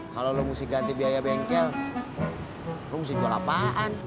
kalau lo mesti ganti biaya bengkel lo mesti jual apaan